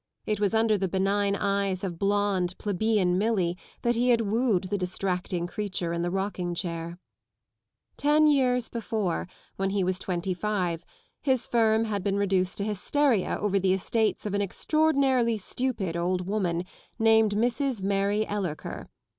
It was under the benign eyes of blonde, plebeian Milly that he had wooed the distracting creature in the rocking chair. Ten years before, when he was twenty five, his firm had been reduced to hysteria over the estates of an extraordinarily stupid old woman, named Mrs, Mary Ellerker.